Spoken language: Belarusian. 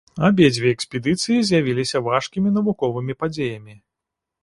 Абедзве экспедыцыі з'явіліся важкімі навуковымі падзеямі.